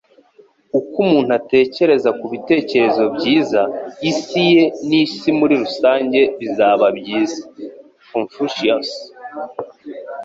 Uko umuntu atekereza ku bitekerezo byiza, isi ye n'isi muri rusange bizaba byiza.” - Confucius